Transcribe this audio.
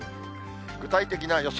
具体的な予想